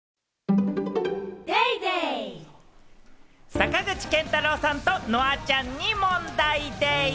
坂口健太郎さんと乃愛ちゃんに問題でぃす！